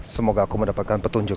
semoga aku mendapatkan petunjuk